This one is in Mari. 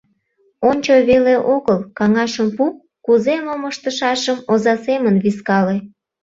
Ончо веле огыл, каҥашым пу, кузе — мом ыштышашым оза семын вискале.